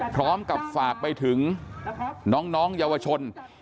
พร้อมกับฝากไปถึงน้องเยาวชน